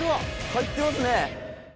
入ってますね！